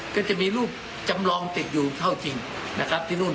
ก็จะมีรูปจำลองติดอยู่เท่าจริงที่นู่น